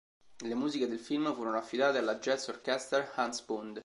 Le musiche del film furono affidate alla Jazz-Orchester Hans Bund.